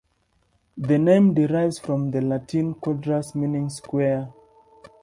The name derives from the Latin "quadrus", meaning square.